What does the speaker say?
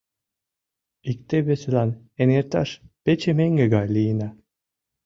Икте-весылан эҥерташ пече меҥге гай лийына...